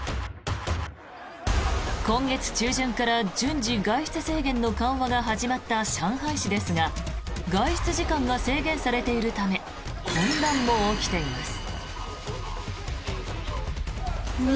今月中旬から順次、外出制限の緩和が始まった上海市ですが外出時間が制限されているため混乱も起きています。